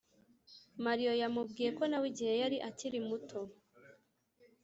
Mario yamubwiye ko na we igihe yari akiri muto